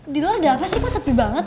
di luar ada apa sih kok sepi banget